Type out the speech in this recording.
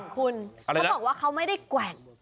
คุณเขาบอกว่าเขาไม่ได้แกว่ง